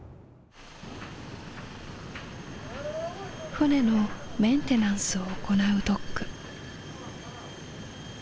船のメンテナンスを行うドック。